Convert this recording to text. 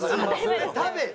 で食べて。